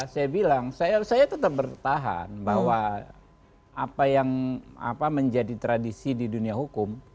saya bilang saya tetap bertahan bahwa apa yang menjadi tradisi di dunia hukum